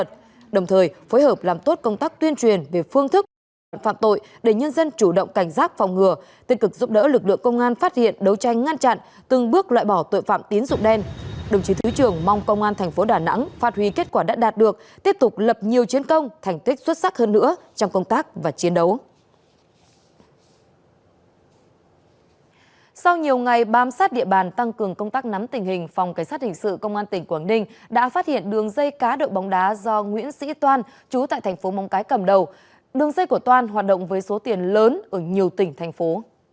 sau nhiều ngày bám sát địa bàn tăng cường công tác nắm tình hình phòng cảnh sát hình sự công an tỉnh quảng ninh đã phát hiện đường dây cá đội bóng đá do nguyễn sĩ toan chú tại thành phố mông cái cầm đầu đường dây của toan hoạt động với số tiền lớn ở nhiều tỉnh thành phố